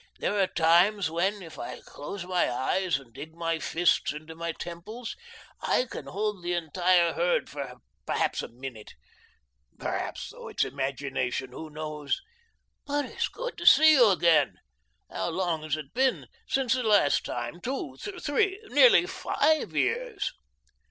There are times when, if I close my eyes and dig my fists into my temples, I can hold the entire herd for perhaps a minute. Perhaps, though, it's imagination, who knows? But it's good to see you again. How long has it been since the last time? Two, three, nearly five years."